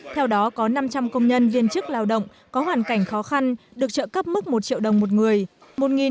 theo đó có năm trăm linh công nhân viên chức lao động có hoàn cảnh khó khăn được trợ cấp mức một triệu đồng một người